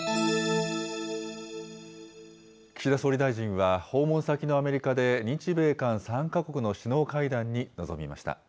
岸田総理大臣は、訪問先のアメリカで日米韓３か国の首脳会談に臨みました。